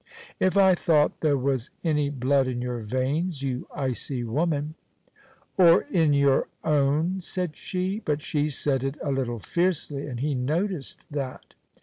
"If I thought there was any blood in your veins, you icy woman " "Or in your own," said she. But she said it a little fiercely, and he noticed that.